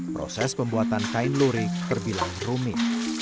proses pembuatan kain lurik terbilang rumit